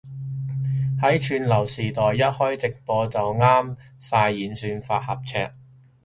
喺串流時代一開直播就啱晒演算法合尺